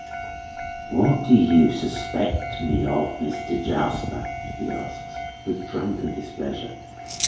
"What do you suspect me of, Mister Jarsper?" he asks, with drunken displeasure.